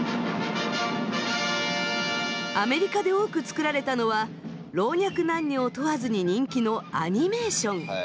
アメリカで多く作られたのは老若男女を問わずに人気のアニメーション。